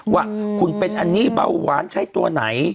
ว่าคุณเป็นอันนี้เบาหวานใช้ตัวไหน